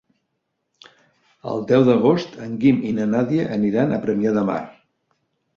El deu d'agost en Guim i na Nàdia aniran a Premià de Mar.